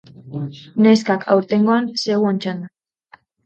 Neskak, aurtengoan zeuon txanda!